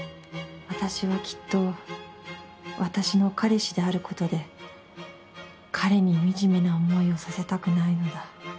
私はきっと、私の彼氏であることで、彼に惨めな思いをさせたくないのだ。